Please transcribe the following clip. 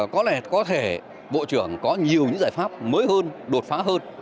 có lẽ có thể bộ trưởng có nhiều những giải pháp mới hơn đột phá hơn